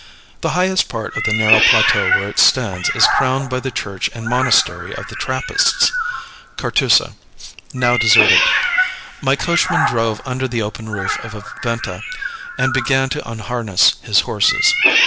The highest part of the narrow plateau where it stands is crowned by the church and monastery of the Trappists (Cartusa), now deserted. My coachman drove under the open roof of a venta, and began to unharness his horses.